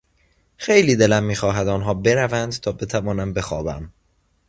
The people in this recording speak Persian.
خیلی دلم میخواهد آنها بروند تا بتوانم بخوابم.